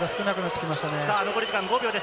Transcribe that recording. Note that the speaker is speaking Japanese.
残り時間、５秒です。